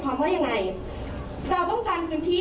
ความรับผิดชอบตรงนี้